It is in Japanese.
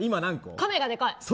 カメがでかい。